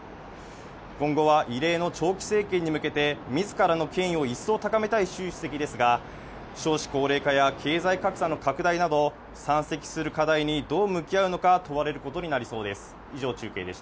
今後は異例の長期政権に向けて、みずからの権威を一層高めたいシュウ主席ですが、少子高齢化や経済格差の拡大など山積する課題にどう向き合うのか問われることになりそうです。